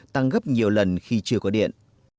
tăng gấp nhiều lần khi chưa có điện